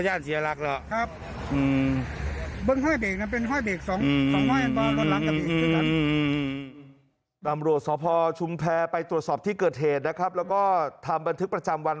ตำรวจสพชุมแพรไปตรวจสอบที่เกิดเหตุนะครับแล้วก็ทำบันทึกประจำวัน